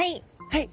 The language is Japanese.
はい。